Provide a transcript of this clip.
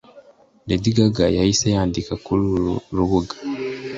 Lady Gaga yahise yandika kuri uru rubuga